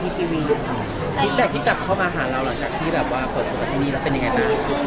ฟิตแท็กที่กลับเข้ามาหาเราหลังจากที่แบบว่าเปิดตัวจากที่นี่แล้วเป็นยังไงบ้าง